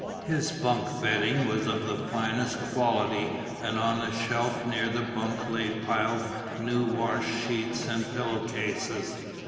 His bunk bedding was of the finest quality and on a shelf near the bunk lay piled new washed sheets and pillow cases.